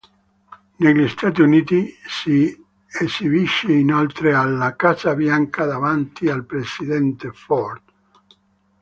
Negli Stati Uniti, si esibisce inoltre alla Casa Bianca davanti al Presidente Ford.